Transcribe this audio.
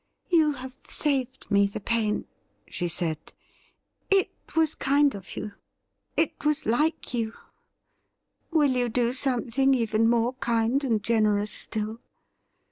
' You have saved me the pain,' she said. ' It was kind of you — it was like you. Will you do something even more kind and generous still